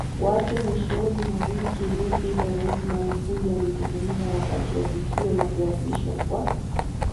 wakeMwishoni mwa wiki iliyopita Rais Magufuli alizungumza wakati wa tukio la kuapishwa kwa